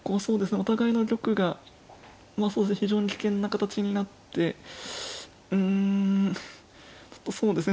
お互いの玉が非常に危険な形になってうんちょっとそうですね。